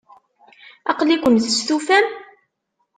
Aql-iken testufam?